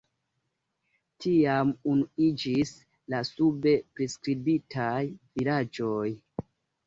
Tiam unuiĝis la sube priskribitaj vilaĝoj.